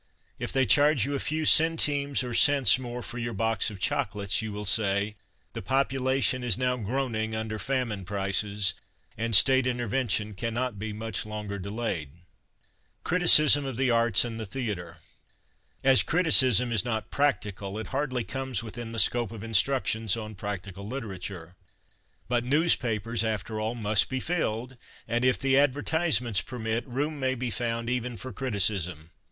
If they charge you a few centimes or cents more for your box of chocolates you will say " the population is now groaning under famine prices, and State inter vention cannot be much longer delayed." Criticism of tJie Arts and the Theatre. — As criti cism is not practical, it hardly comes within the scope of instructions on practical literature. But newspapers, after all, must be filled, and, if the advertisements permit, room may be found even for criticism.